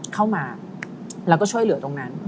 เข้ามาแล้วก็ช่วยเหลือตรงนั้น